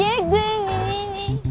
aduh misalnya lama banget sih